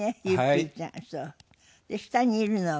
下にいるのは？